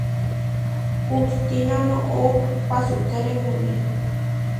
Hustína noʼó pasúkere muní.